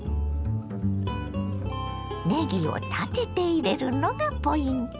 ねぎを立てて入れるのがポイント。